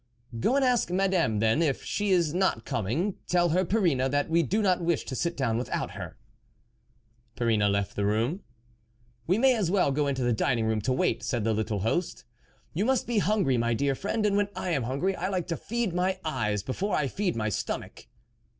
" Go and ask Madame, then, if she is not coming ; tell her, Perrine, that we do not wish to sit down without her." Perrine left the room. " We may as well go into the dining room to wait," said the little host; "you must be hungry, my dear friend, and when I am hungry, I like to feed my eyes before I feed my stomach."